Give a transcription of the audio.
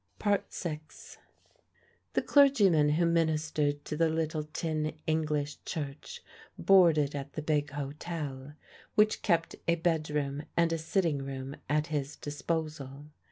... VI. The clergyman who ministered to the little tin English Church boarded at the big hotel, which kept a bedroom and a sitting room at his disposal.